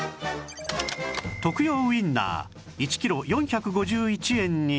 徳用ウインナー１キロ４５１円に